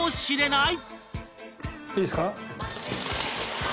いいですか？